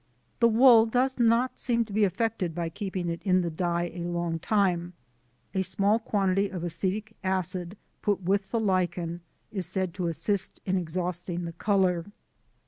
The wool does not seem to be affected by keeping it in the dye a long time. A small quantity of acetic acid put with the Lichen is said to assist in exhausting the colour.